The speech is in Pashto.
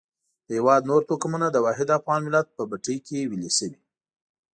د هېواد نور توکمونه د واحد افغان ملت په بټۍ کې ویلي شوي.